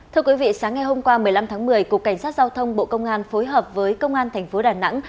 thưa quý vị sáng ngày hôm qua một mươi năm tháng một mươi cục cảnh sát giao thông bộ công an phối hợp với công an thành phố đà nẵng